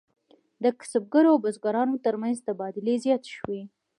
د کسبګرو او بزګرانو ترمنځ تبادلې زیاتې شوې.